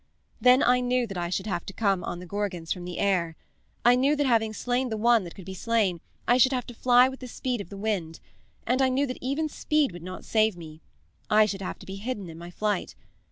"Then I knew that I should have to come on the Gorgons from the air. I knew that having slain the one that could be slain I should have to fly with the speed of the wind. And I knew that that speed even would not save me I should have to be hidden in my flight.